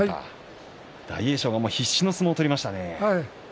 大栄翔、必死の相撲を取りましたね。